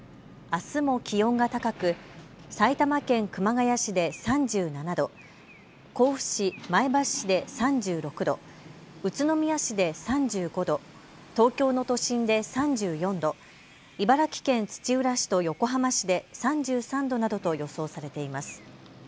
あすも気温が高く埼玉県熊谷市で３７度、甲府市、前橋市で３６度、宇都宮市で３５度、東京の都心で３４度、茨城県土浦市と横浜市で３３度などと予想されています。